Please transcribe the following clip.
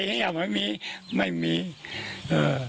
ตอนแรกนึกว่าเป็นการฆาตกรรมที่อื่น